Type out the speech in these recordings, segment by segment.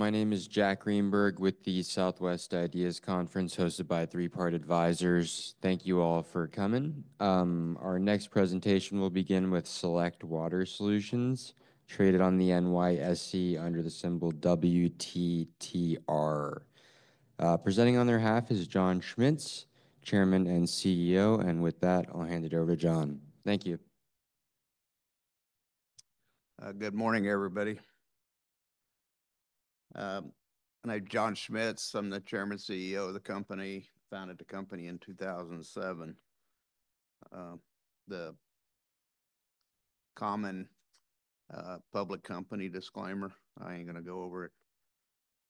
My name is Jack Greenberg with the Southwest IDEAS Conference, hosted by Three Part Advisors. Thank you all for coming. Our next presentation will begin with Select Water Solutions, traded on the NYSE under the symbol WTTR. Presenting on their behalf is John Schmitz, Chairman and CEO, and with that, I'll hand it over to John. Thank you. Good morning, everybody. My name is John Schmitz. I'm the Chairman, CEO of the company. Founded the company in 2007. The common public company disclaimer: I ain't gonna go over it.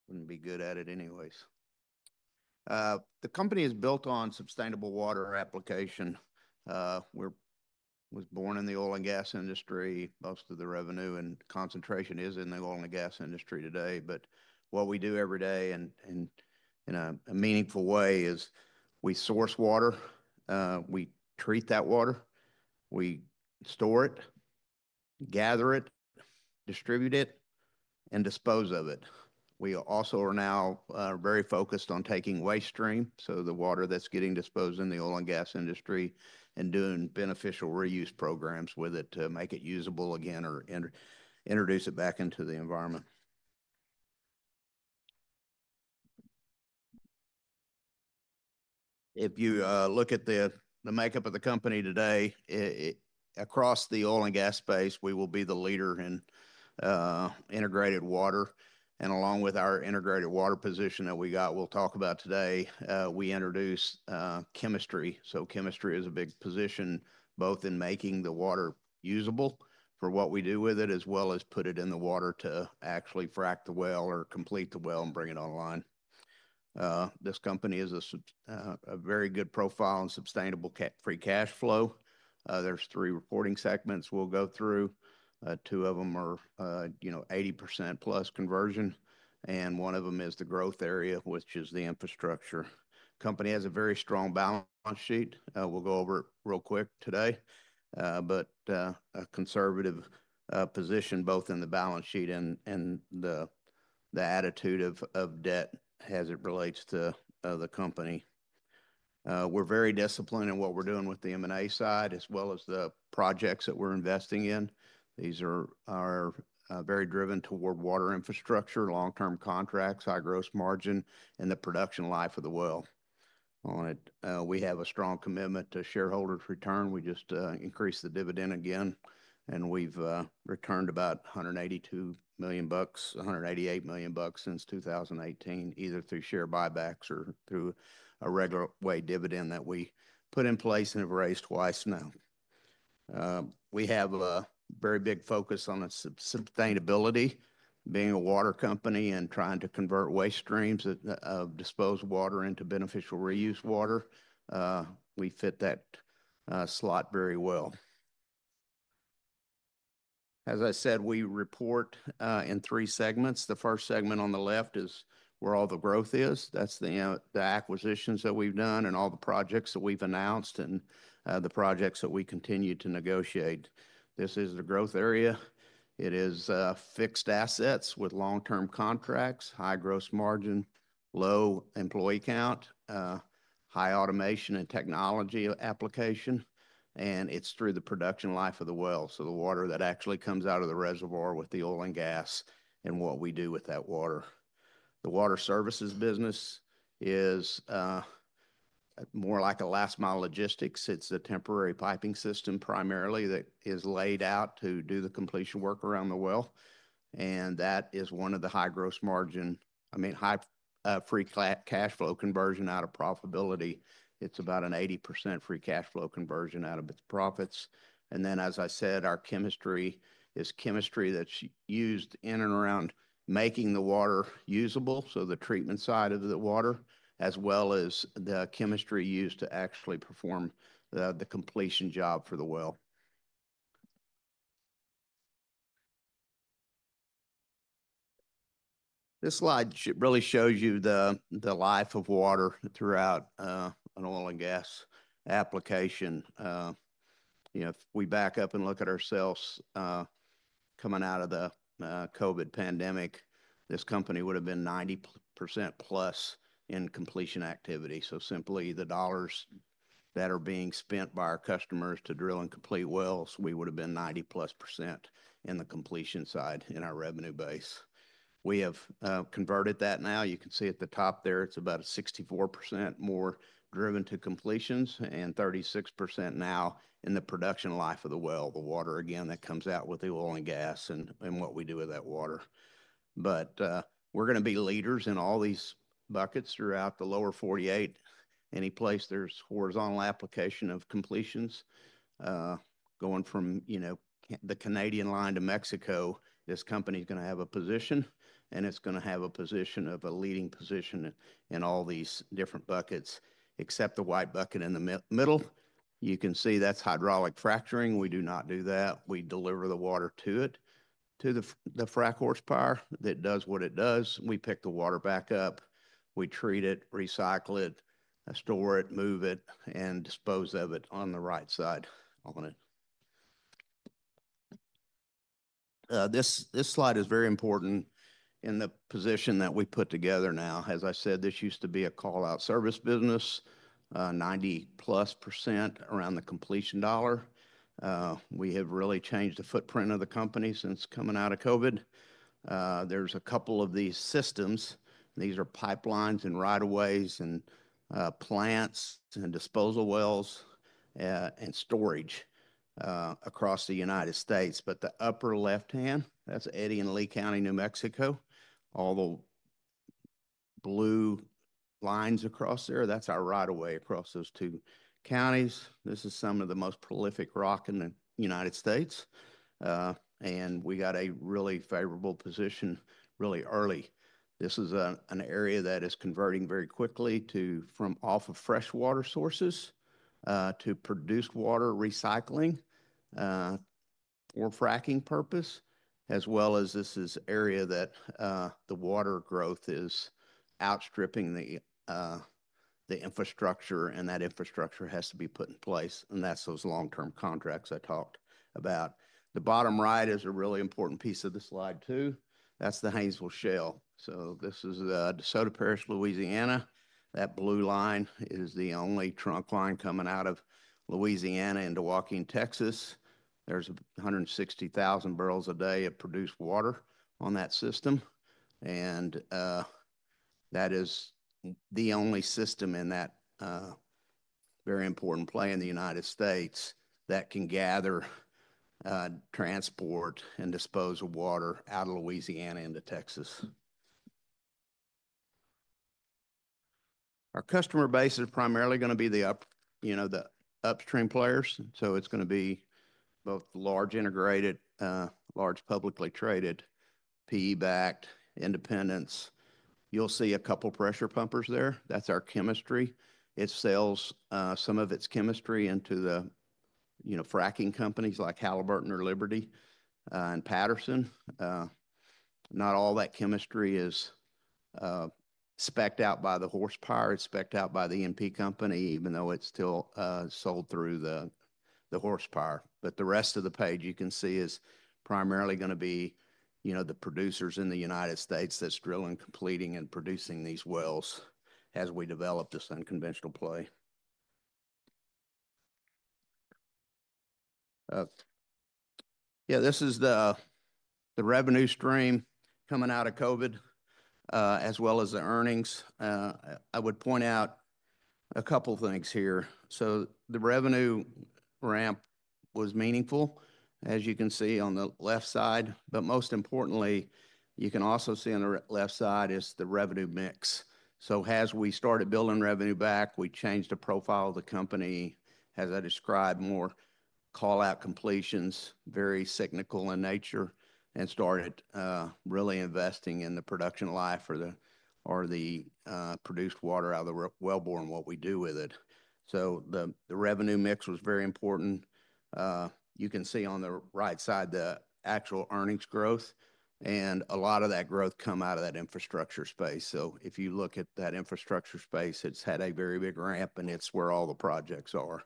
Wouldn't be good at it anyways. The company is built on sustainable water application. We're born in the oil and gas industry. Most of the revenue and concentration is in the oil and gas industry today. But what we do every day and in a meaningful way is we source water. We treat that water. We store it, gather it, distribute it, and dispose of it. We also are now very focused on taking waste stream. So the water that's getting disposed in the oil and gas industry and doing beneficial reuse programs with it to make it usable again or introduce it back into the environment. If you look at the makeup of the company today, across the oil and gas space, we will be the leader in integrated water, and along with our integrated water position that we got, we'll talk about today, we introduce chemistry, so chemistry is a big position, both in making the water usable for what we do with it, as well as putting it in the water to actually frac the well or complete the well and bring it online. This company is a very good profile and sustainable free cash flow. There's three reporting segments we'll go through. Two of them are, you know, 80% plus conversion, and one of them is the growth area, which is the infrastructure. Company has a very strong balance sheet. We'll go over it real quick today. But a conservative position, both in the balance sheet and the attitude of debt as it relates to the company. We're very disciplined in what we're doing with the M&A side, as well as the projects that we're investing in. These are very driven toward water infrastructure, long-term contracts, high gross margin, and the production life of the well. We have a strong commitment to shareholders' return. We just increased the dividend again, and we've returned about $182 million, $188 million since 2018, either through share buybacks or through a regular way dividend that we put in place and have raised twice now. We have a very big focus on sustainability, being a water company and trying to convert waste streams of disposed water into beneficial reuse water. We fit that slot very well. As I said, we report in three segments. The first segment on the left is where all the growth is. That's the acquisitions that we've done and all the projects that we've announced and the projects that we continue to negotiate. This is the growth area. It is fixed assets with long-term contracts, high gross margin, low employee count, high automation and technology application. And it's through the production life of the well. So the water that actually comes out of the reservoir with the oil and gas and what we do with that water. The water services business is more like a last mile logistics. It's a temporary piping system primarily that is laid out to do the completion work around the well. And that is one of the high gross margin, I mean, high free cash flow conversion out of profitability. It's about an 80% free cash flow conversion out of its profits. And then, as I said, our chemistry is chemistry that's used in and around making the water usable. So the treatment side of the water, as well as the chemistry used to actually perform the completion job for the well. This slide really shows you the life of water throughout an oil and gas application. You know, if we back up and look at ourselves coming out of the COVID pandemic, this company would have been 90% plus in completion activity. So simply the dollars that are being spent by our customers to drill and complete wells, we would have been 90-plus% in the completion side in our revenue base. We have converted that. Now you can see at the top there, it's about 64% more driven to completions and 36% now in the production life of the well, the water again that comes out with the oil and gas and what we do with that water. But we're going to be leaders in all these buckets throughout the Lower 48. Any place there's horizontal application of completions going from, you know, the Canadian line to Mexico, this company is going to have a position, and it's going to have a position of a leading position in all these different buckets, except the white bucket in the middle. You can see that's hydraulic fracturing. We do not do that. We deliver the water to it, to the frac horsepower that does what it does. We pick the water back up. We treat it, recycle it, store it, move it, and dispose of it on the right side. This slide is very important in the position that we put together now. As I said, this used to be a callout service business, 90% plus around the completion side. We have really changed the footprint of the company since coming out of COVID. There's a couple of these systems. These are pipelines and rights of way and plants and disposal wells and storage across the United States. But the upper left-hand, that's Eddy and Lea County, New Mexico. All the blue lines across there, that's our right of way across those two counties. This is some of the most prolific rock in the United States. And we got a really favorable position really early. This is an area that is converting very quickly from off of freshwater sources to produced water recycling or fracking purpose, as well as this is an area that the water growth is outstripping the infrastructure, and that infrastructure has to be put in place. And that's those long-term contracts I talked about. The bottom right is a really important piece of the slide, too. That's the Haynesville Shale. So this is the DeSoto Parish, Louisiana. That blue line is the only trunk line coming out of Louisiana into Joaquin, Texas. There's 160,000 barrels a day of produced water on that system. And that is the only system in that very important play in the United States that can gather, transport, and dispose of water out of Louisiana into Texas. Our customer base is primarily going to be the upstream players. So it's going to be both large, integrated, large, publicly traded, PE backed independents. You'll see a couple of pressure pumpers there. That's our chemistry. It sells some of its chemistry into the fracking companies like Halliburton or Liberty and Patterson. Not all that chemistry is spec'd out by the horsepower. It's spec'd out by the E&P company, even though it's still sold through the horsepower. But the rest of the page you can see is primarily going to be, you know, the producers in the United States that's drilling, completing, and producing these wells as we develop this unconventional play. Yeah, this is the revenue stream coming out of COVID, as well as the earnings. I would point out a couple of things here, so the revenue ramp was meaningful, as you can see on the left side. But most importantly, you can also see on the left side, the revenue mix. So as we started building revenue back, we changed the profile of the company, as I described, more callout completions, very cyclical in nature, and started really investing in the production life or the produced water out of the wellbore and what we do with it. So the revenue mix was very important. You can see on the right side the actual earnings growth, and a lot of that growth comes out of that infrastructure space. So if you look at that infrastructure space, it's had a very big ramp, and it's where all the projects are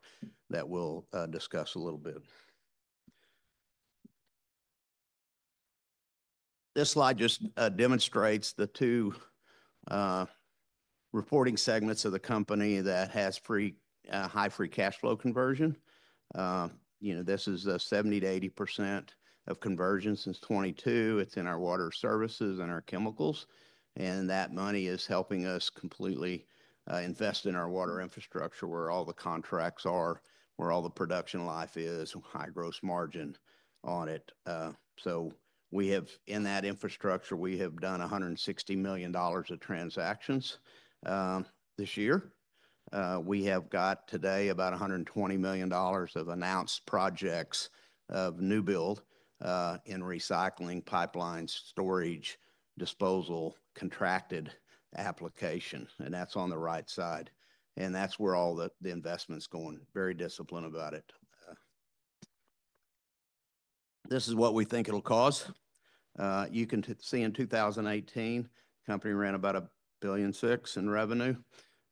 that we'll discuss a little bit. This slide just demonstrates the two reporting segments of the company that has high free cash flow conversion. You know, this is 70%-80% of conversion since 2022. It's in our water services and our chemicals, and that money is helping us completely invest in our water infrastructure, where all the contracts are, where all the production life is, high gross margin on it, so we have, in that infrastructure, we have done $160 million of transactions this year. We have got today about $120 million of announced projects of new build in recycling pipelines, storage, disposal, contracted application, and that's on the right side, and that's where all the investment's going. Very disciplined about it. This is what we think it'll cause. You can see in 2018, the company ran about $1.6 billion in revenue,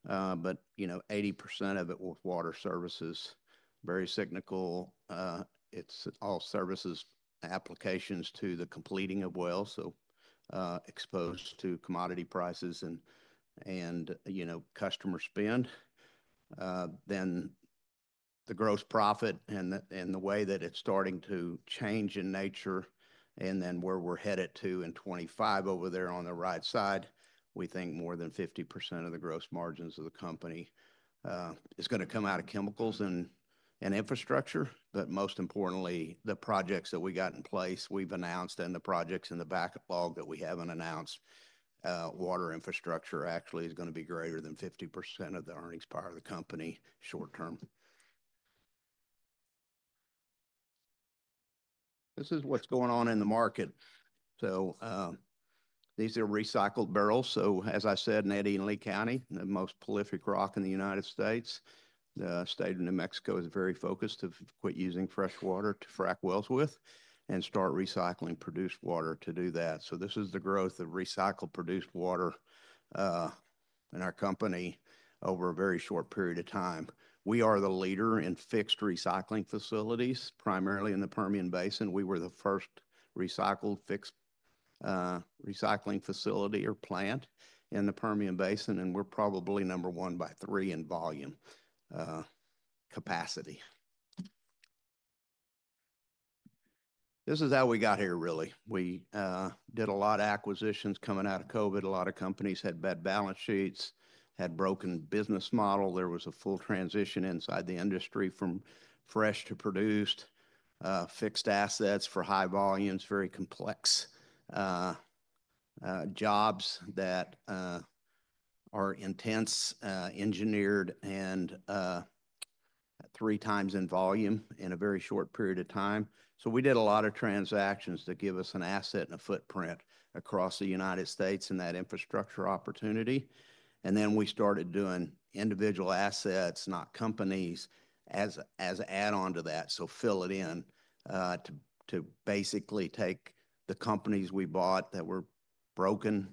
but you know, 80% of it was water services, very cyclical. It's all services applications to the completing of wells, so exposed to commodity prices and, you know, customer spend. Then the gross profit and the way that it's starting to change in nature. And then where we're headed to in 2025 over there on the right side, we think more than 50% of the gross margins of the company is going to come out of chemicals and infrastructure. But most importantly, the projects that we got in place, we've announced, and the projects in the backlog that we haven't announced, water infrastructure actually is going to be greater than 50% of the earnings power of the company short term. This is what's going on in the market. So these are recycled barrels. So as I said, in Eddy and Lea County, the most prolific rock in the United States, the state of New Mexico is very focused to quit using freshwater to frac wells with and start recycling produced water to do that. So this is the growth of recycled produced water in our company over a very short period of time. We are the leader in fixed recycling facilities, primarily in the Permian Basin. We were the first recycled fixed recycling facility or plant in the Permian Basin, and we're probably number one by three in volume capacity. This is how we got here, really. We did a lot of acquisitions coming out of COVID. A lot of companies had bad balance sheets, had broken business model. There was a full transition inside the industry from fresh to produced fixed assets for high volumes, very complex jobs that are intense, engineered, and three times in volume in a very short period of time. So we did a lot of transactions to give us an asset and a footprint across the United States in that infrastructure opportunity. And then we started doing individual assets, not companies, as an add-on to that. So fill it in to basically take the companies we bought that were broken,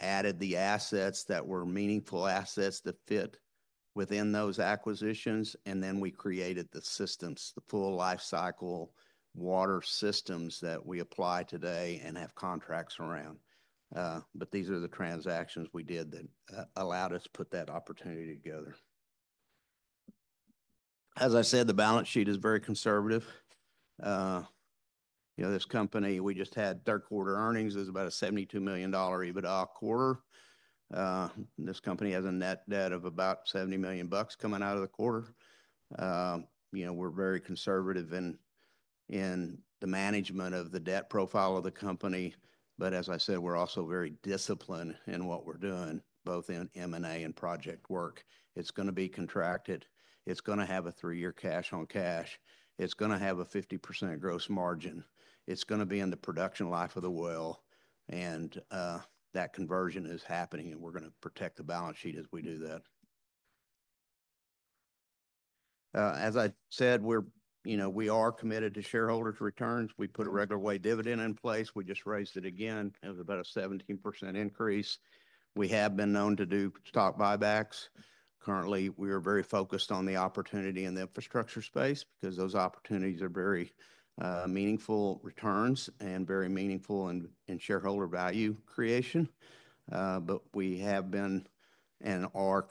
added the assets that were meaningful assets to fit within those acquisitions. And then we created the systems, the full life cycle water systems that we apply today and have contracts around. But these are the transactions we did that allowed us to put that opportunity together. As I said, the balance sheet is very conservative. You know, this company, we just had third quarter earnings. It was about a $72 million EBITDA quarter. This company has a net debt of about $70 million coming out of the quarter. You know, we're very conservative in the management of the debt profile of the company. But as I said, we're also very disciplined in what we're doing, both in M&A and project work. It's going to be contracted. It's going to have a 3-year cash on cash. It's going to have a 50% gross margin. It's going to be in the production life of the well. And that conversion is happening, and we're going to protect the balance sheet as we do that. As I said, we're, you know, we are committed to shareholders' returns. We put a regular way dividend in place. We just raised it again. It was about a 17% increase. We have been known to do stock buybacks. Currently, we are very focused on the opportunity in the infrastructure space because those opportunities are very meaningful returns and very meaningful in shareholder value creation. But we have been and are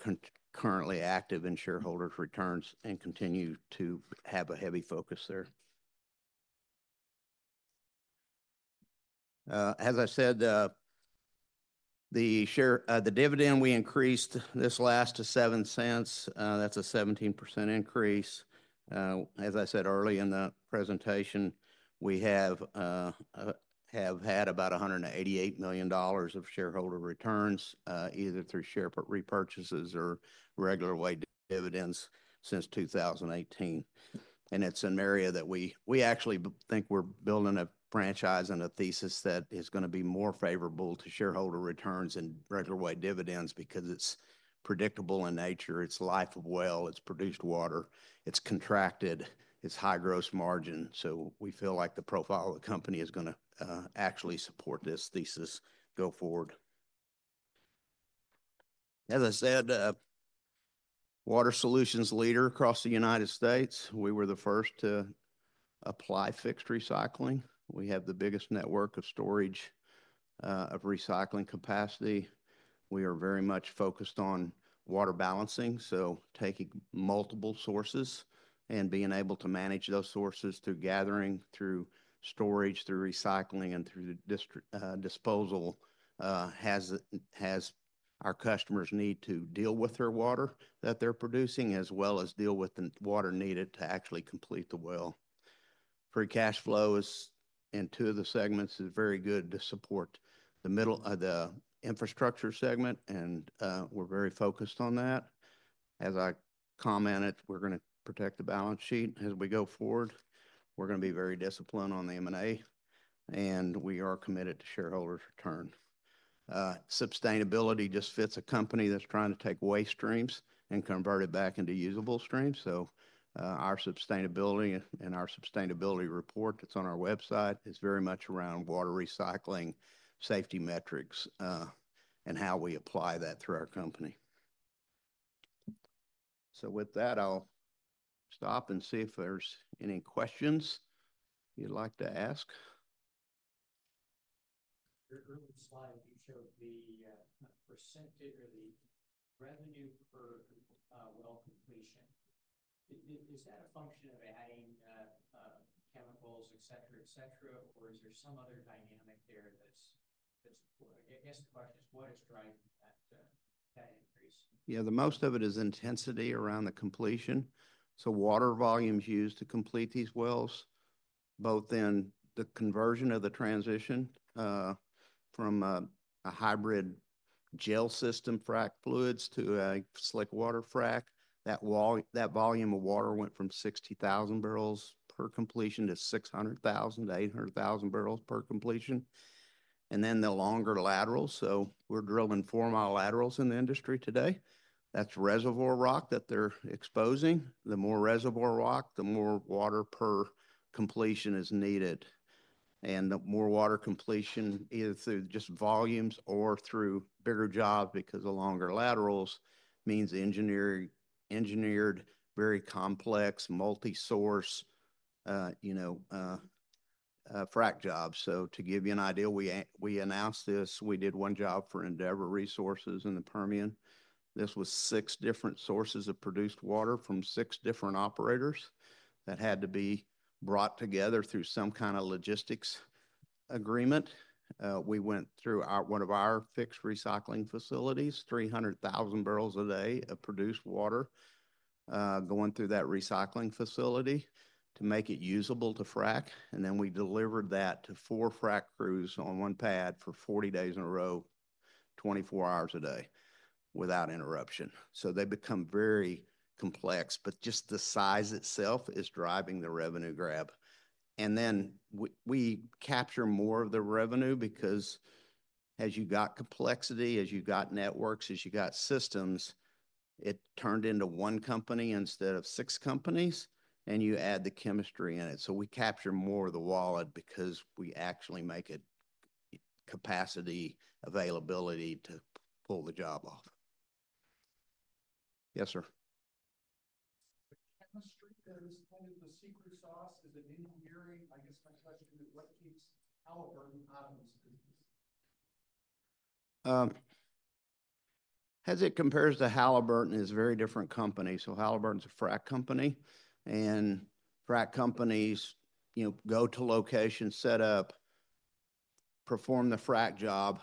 currently active in shareholders' returns and continue to have a heavy focus there. As I said, the dividend we increased this last to $0.07. That's a 17% increase. As I said early in the presentation, we have had about $188 million of shareholder returns, either through share repurchases or regular way dividends since 2018. And it's an area that we actually think we're building a franchise and a thesis that is going to be more favorable to shareholder returns and regular way dividends because it's predictable in nature. It's life of well. It's produced water. It's contracted. It's high gross margin. So we feel like the profile of the company is going to actually support this thesis go forward. As I said, Water Solutions Leader across the United States. We were the first to apply fixed recycling. We have the biggest network of storage of recycling capacity. We are very much focused on water balancing. So taking multiple sources and being able to manage those sources through gathering, through storage, through recycling, and through disposal has our customers' need to deal with their water that they're producing, as well as deal with the water needed to actually complete the well. Free cash flow is in two of the segments is very good to support the infrastructure segment, and we're very focused on that. As I commented, we're going to protect the balance sheet as we go forward. We're going to be very disciplined on the M&A, and we are committed to shareholders' return. Sustainability just fits a company that's trying to take waste streams and convert it back into usable streams. So our sustainability and our sustainability report that's on our website is very much around water recycling safety metrics and how we apply that through our company. So with that, I'll stop and see if there's any questions you'd like to ask. Your early slide, you showed the percentage or the revenue per well completion. Is that a function of adding chemicals, et cetera, et cetera, or is there some other dynamic there that's, I guess the question is, what is driving that increase? Yeah, the most of it is intensity around the completion. So water volumes used to complete these wells, both in the conversion of the transition from a hybrid gel system frac fluids to a slickwater frac. That volume of water went from 60,000 barrels per completion to 600,000-800,000 barrels per completion. And then the longer laterals. So we're drilling four-mile laterals in the industry today. That's reservoir rock that they're exposing. The more reservoir rock, the more water per completion is needed. And the more water completion, either through just volumes or through bigger jobs, because the longer laterals means engineered, very complex, multi-source, you know, frac jobs. So to give you an idea, we announced this. We did one job for Endeavor Energy Resources in the Permian. This was six different sources of produced water from six different operators that had to be brought together through some kind of logistics agreement. We went through one of our fixed recycling facilities, 300,000 barrels a day of produced water going through that recycling facility to make it usable to frac. And then we delivered that to four frac crews on one pad for 40 days in a row, 24 hours a day without interruption. So they become very complex, but just the size itself is driving the revenue grab. And then we capture more of the revenue because as you got complexity, as you got networks, as you got systems, it turned into one company instead of six companies, and you add the chemistry in it. So we capture more of the wallet because we actually make it capacity availability to pull the job off. Yes, sir. The chemistry that is kind of the secret sauce is an engineering. I guess my question is, what keeps Halliburton out of this business? As it compares to Halliburton, it is a very different company. So Halliburton's a frac company. And frac companies, you know, go to location, set up, perform the frac job,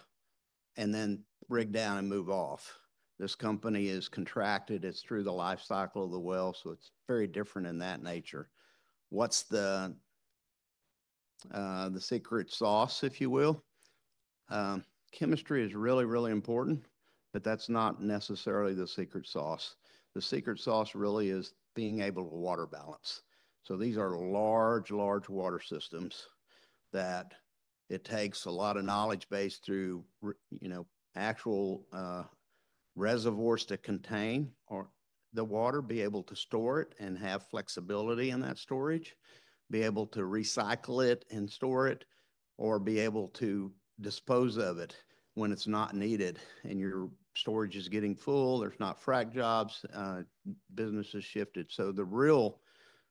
and then rig down and move off. This company is contracted. It's through the life cycle of the well. So it's very different in that nature. What's the secret sauce, if you will? Chemistry is really, really important, but that's not necessarily the secret sauce. The secret sauce really is being able to water balance. So these are large, large water systems that it takes a lot of knowledge base through, you know, actual reservoirs to contain the water, be able to store it and have flexibility in that storage, be able to recycle it and store it, or be able to dispose of it when it's not needed and your storage is getting full. There's not frac jobs. Business is shifted. So the real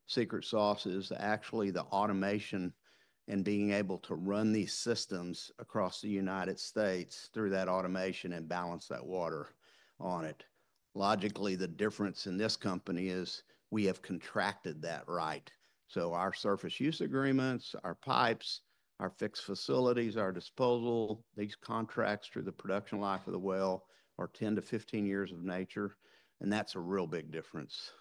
secret sauce is actually the automation and being able to run these systems across the United States through that automation and balance that water on it. Logically, the difference in this company is we have contracted that right. Our surface use agreements, our pipes, our fixed facilities, our disposal, these contracts through the production life of the well are 10-15 years of nature. And that's a real big difference.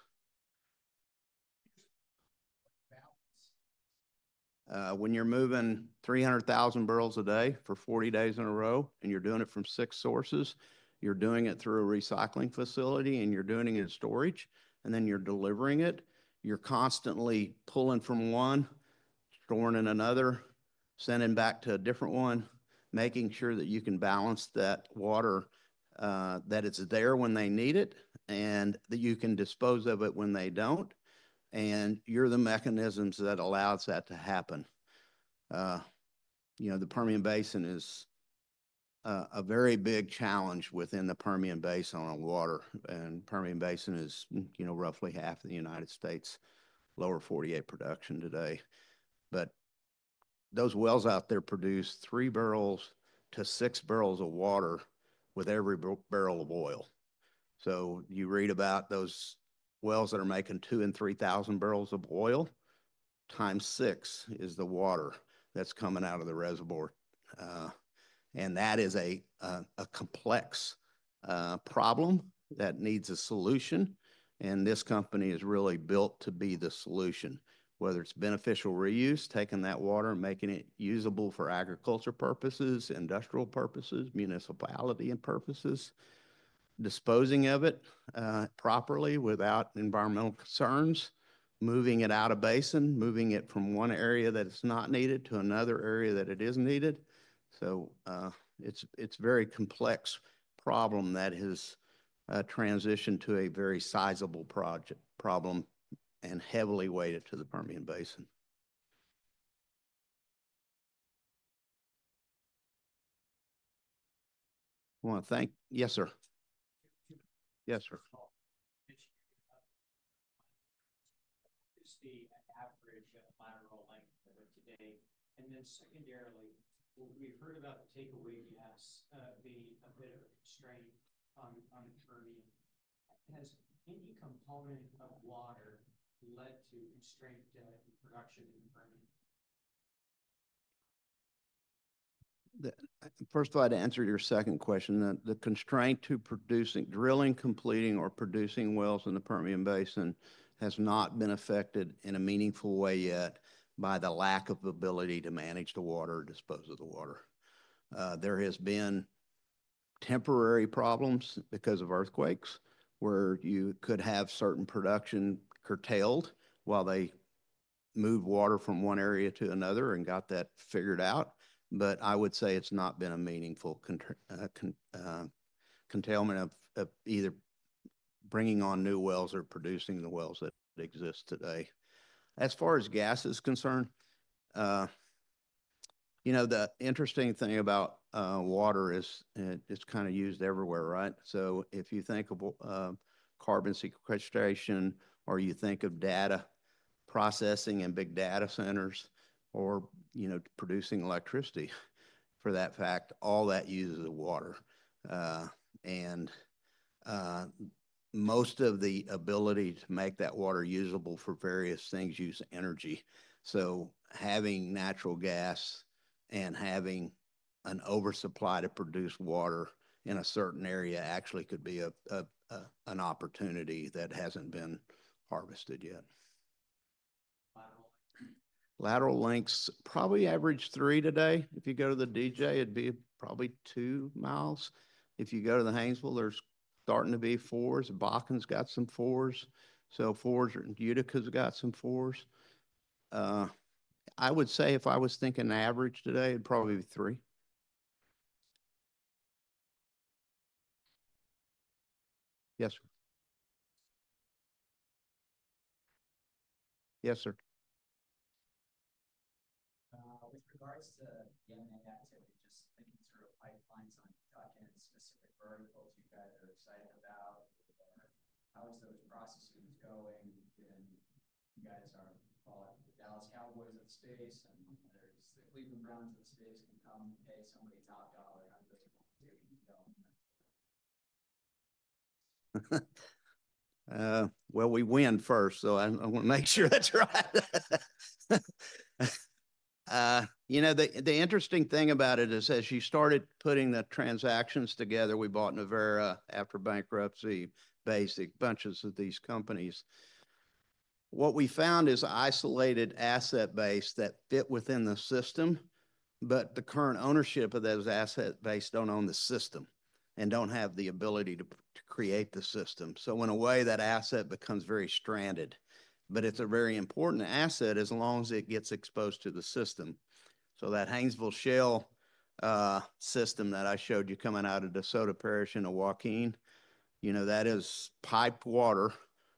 When you're moving 300,000 barrels a day for 40 days in a row, and you're doing it from six sources, you're doing it through a recycling facility, and you're doing it in storage, and then you're delivering it, you're constantly pulling from one, storing in another, sending back to a different one, making sure that you can balance that water, that it's there when they need it, and that you can dispose of it when they don't. And you're the mechanisms that allows that to happen. You know, the Permian Basin is a very big challenge within the Permian Basin on water. And Permian Basin is, you know, roughly half of the United States Lower 48 production today. But those wells out there produce three barrels to six barrels of water with every barrel of oil. So you read about those wells that are making 2,000 and 3,000 barrels of oil. Times six is the water that's coming out of the reservoir. And that is a complex problem that needs a solution. And this company is really built to be the solution, whether it's beneficial reuse, taking that water and making it usable for agriculture purposes, industrial purposes, municipality purposes, disposing of it properly without environmental concerns, moving it out of basin, moving it from one area that it's not needed to another area that it is needed. So it's a very complex problem that has transitioned to a very sizable project problem and heavily weighted to the Permian Basin. I want to thank you, yes sir. Yes sir. What is the average lateral length today? And then secondarily, we've heard about the takeaway has been a bit of a constraint on the Permian. Has any component of water led to constraint in production in the Permian? First of all, I'd answer your second question. The constraint to producing, drilling, completing, or producing wells in the Permian Basin has not been affected in a meaningful way yet by the lack of ability to manage the water or dispose of the water. There have been temporary problems because of earthquakes where you could have certain production curtailed while they moved water from one area to another and got that figured out. But I would say it's not been a meaningful constraint of either bringing on new wells or producing the wells that exist today. As far as gas is concerned, you know, the interesting thing about water is it's kind of used everywhere, right? So if you think of carbon sequestration or you think of data processing in big data centers or, you know, producing electricity for that fact, all that uses water. And most of the ability to make that water usable for various things uses energy. So having natural gas and having an oversupply to produce water in a certain area actually could be an opportunity that hasn't been harvested yet. Lateral lengths probably average three today. If you go to the DJ, it'd be probably two miles. If you go to the Haynesville, there's starting to be fours. Bakken's got some fours. So fours. Utica's got some fours. I would say if I was thinking average today, it'd probably be three. Yes, sir. Yes, sir. With regards to the M&A activity, just thinking through pipelines on documents, specific verticals you guys are excited about, how is those processes going? You guys are called the Dallas Cowboys of the space, and there's the Cleveland Browns of the space can come and pay somebody top dollar on those developments. Well, we win first, so I want to make sure that's right. You know, the interesting thing about it is as you started putting the transactions together, we bought Nuverra after bankruptcy, Basic bunches of these companies. What we found is isolated asset base that fit within the system, but the current ownership of those asset base don't own the system and don't have the ability to create the system. So in a way, that asset becomes very stranded. But it's a very important asset as long as it gets exposed to the system. So that Haynesville Shale system that I showed you coming out of DeSoto Parish, Louisiana, you know, that is piped water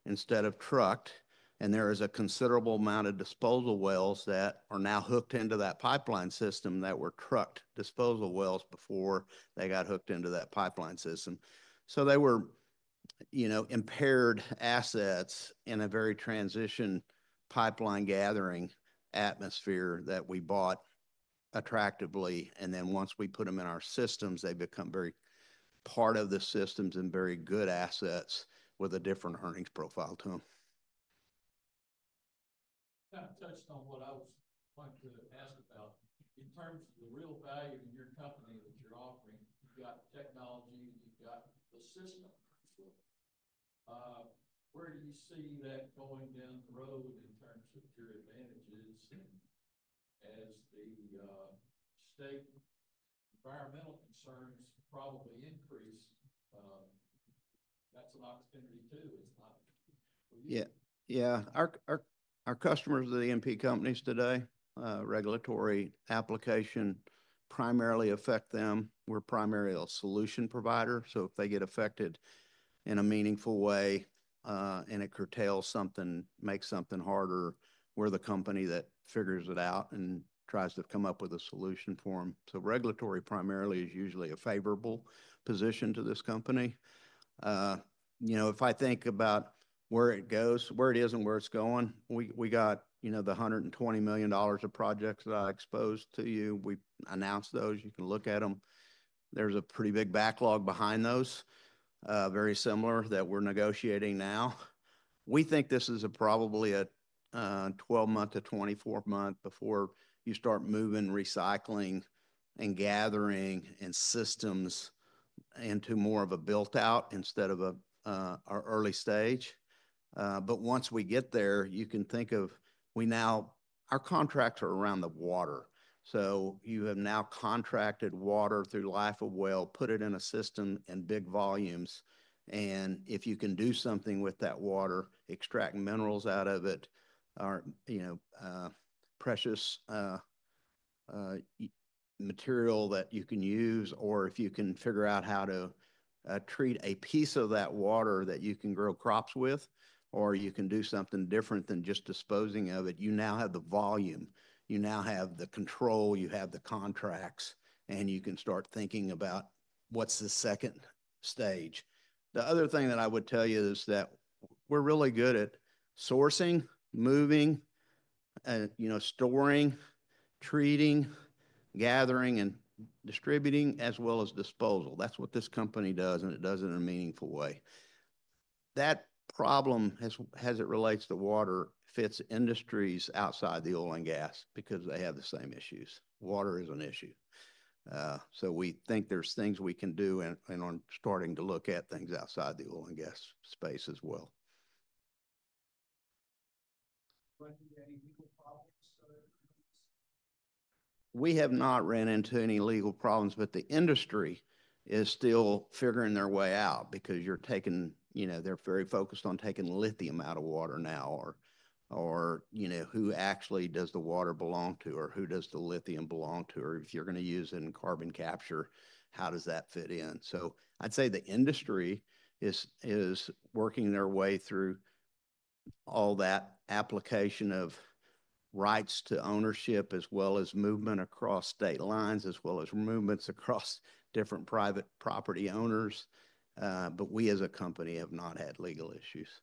instead of trucked. And there is a considerable amount of disposal wells that are now hooked into that pipeline system that were trucked disposal wells before they got hooked into that pipeline system. So they were, you know, impaired assets in a very transition pipeline gathering atmosphere that we bought attractively. And then once we put them in our systems, they become very part of the systems and very good assets with a different earnings profile to them. Kind of touched on what I was going to ask about. In terms of the real value in your company that you're offering, you've got technology and you've got the system. Where do you see that going down the road in terms of your advantages as the state environmental concerns probably increase? That's an opportunity too. It's not for you. Yeah. Yeah. Our customers are the E&P companies today. Regulatory application primarily affects them. We're primarily a solution provider. So if they get affected in a meaningful way and it curtails something, makes something harder, we're the company that figures it out and tries to come up with a solution for them. So regulatory primarily is usually a favorable position to this company. You know, if I think about where it goes, where it is and where it's going, we got, you know, the $120 million of projects that I exposed to you. We announced those. You can look at them. There's a pretty big backlog behind those, very similar that we're negotiating now. We think this is probably a 12-month to 24-month before you start moving and recycling and gathering and systems into more of a built-out instead of our early stage, but once we get there, you can think of we now our contracts are around the water. So you have now contracted water through life of well, put it in a system in big volumes, and if you can do something with that water, extract minerals out of it, or, you know, precious material that you can use, or if you can figure out how to treat a piece of that water that you can grow crops with, or you can do something different than just disposing of it, you now have the volume, you now have the control, you have the contracts, and you can start thinking about what's the second stage. The other thing that I would tell you is that we're really good at sourcing, moving, and, you know, storing, treating, gathering, and distributing, as well as disposal. That's what this company does, and it does it in a meaningful way. That problem has, as it relates to water, fits industries outside the oil and gas because they have the same issues. Water is an issue. So we think there's things we can do and are starting to look at things outside the oil and gas space as well. We have not run into any legal problems, but the industry is still figuring their way out because you're taking, you know, they're very focused on taking lithium out of water now, or, you know, who actually does the water belong to, or who does the lithium belong to, or if you're going to use it in carbon capture, how does that fit in? So I'd say the industry is working their way through all that application of rights to ownership, as well as movement across state lines, as well as movements across different private property owners. But we as a company have not had legal issues.